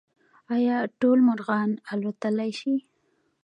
ایا ټول مرغان الوتلی شي؟